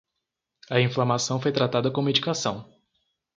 A inflamação foi tratada com medicação